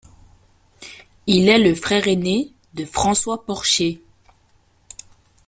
Il est le frère aîné de François Porché.